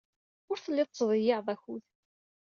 Ur telliḍ tettḍeyyiɛeḍ akud.